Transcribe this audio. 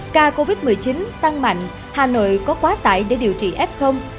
ca covid một mươi chín tăng mạnh hà nội có quá tải để điều trị f